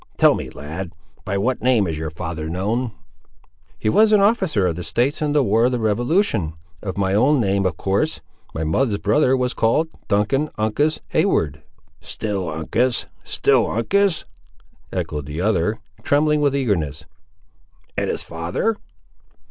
Tell me, lad, by what name is your father known?" "He was an officer of the States in the war of the revolution, of my own name of course; my mother's brother was called Duncan Uncas Heyward." "Still Uncas! still Uncas!" echoed the other, trembling with eagerness. "And his father?"